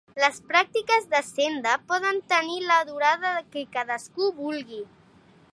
Les pràctiques de Senda poden tenir la durada que cadascú vulgui.